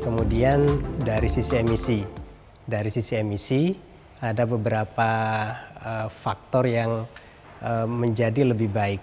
kemudian dari sisi emisi ada beberapa faktor yang menjadi lebih baik